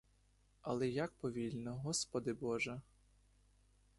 Але як повільно, господи боже!